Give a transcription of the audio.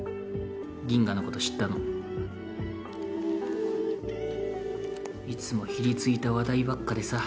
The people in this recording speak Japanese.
ギンガのこと知ったのいつもひりついた話題ばっかでさ